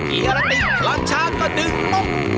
เอียราติร้อนช้าก็ดึงปุ๊บ